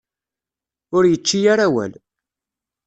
Ur yečči ara awal.